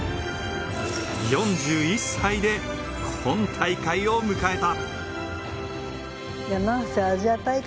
４１歳で今大会を迎えた。